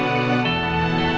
aku mau ke rumah